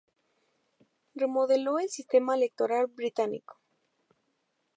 Remodeló el sistema electoral británico.